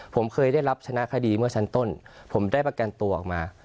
ผมเคยได้รับชนะคดีเมื่อชั้นต้นผมได้ประกันตัวออกมา